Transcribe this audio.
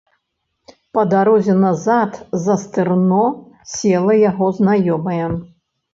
Па дарозе назад за стырно села яго знаёмая.